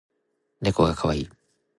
ねこがかわいい